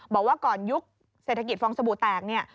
บอกว่าก่อนยุคเศรษฐกิจฟองสบู่แตกเนี่ย